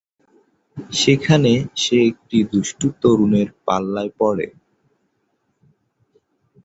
সেখানে সে একটি দুষ্টু তরুণের পাল্লায় পড়ে।